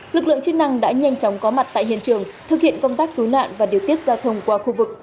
lực lượng chức năng đã nhanh chóng có mặt tại hiện trường thực hiện công tác cứu nạn và điều tiết giao thông qua khu vực